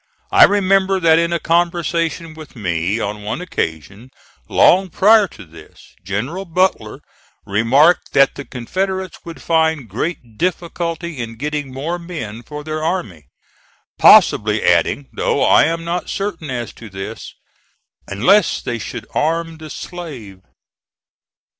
I remember that in a conversation with me on one occasion long prior to this, General Butler remarked that the Confederates would find great difficulty in getting more men for their army; possibly adding, though I am not certain as to this, "unless they should arm the slave."